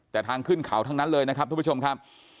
แต่ทางขึ้นเขาทั้งนั้นเลยนะครับทุกผู้ชมครับ